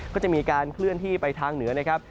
ก็จะมีการเคลื่อนที่ไปทางเหนือนะครับ